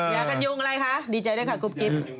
ยากันยุงอะไรคะดีใจด้วยค่ะกุ๊บกิ๊บ